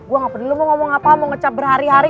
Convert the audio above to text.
gue gak peduli lu mau ngomong apa mau ngecap berhari hari